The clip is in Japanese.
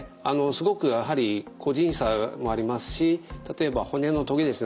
すごくやはり個人差もありますし例えば骨のとげですね